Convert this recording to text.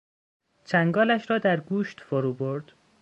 چنگالش را در گوشت فرو برد.